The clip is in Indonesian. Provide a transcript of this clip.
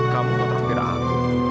kamu mau teranggir aku